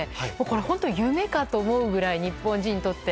本当に夢かと思うくらい日本人にとって。